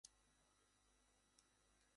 ইহার প্রধান অঙ্গ হইল প্রাণায়াম, ধারণা ও ধ্যান।